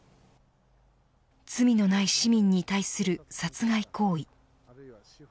罪のない市民に対する殺害行為。